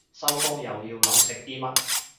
收工又要諗食啲乜